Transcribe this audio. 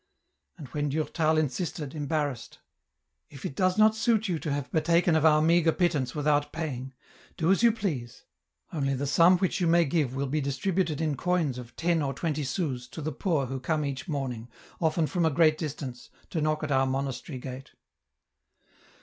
And when Durtal insisted, embarrassed, " If it does not suit you to have partaken of our meagre pittance without paying, do as you please ; only the sum which you may give will be distributed in coins of ten or tvsrenty sous, to the poor who come each morning, often from a great distance, to knock at our monastery gate."